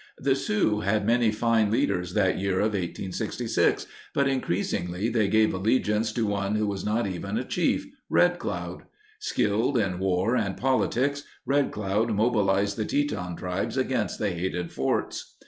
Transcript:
The Sioux had many fine leaders that year of 1866, but increasingly they gave allegiance to one who was not even a chief— Red Cloud. Skilled in war and politics, Red Cloud mobilized the Teton tribes against the hated forts.